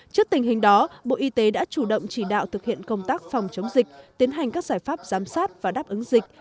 trước tình hình đó bộ y tế đã chủ động chỉ đạo thực hiện công tác phòng chống dịch tiến hành các giải pháp giám sát và đáp ứng dịch